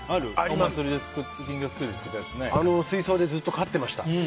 水槽でずっと飼ってました。